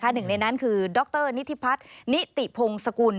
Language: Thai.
หนึ่งในนั้นคือดรนิธิพัฒน์นิติพงศกุล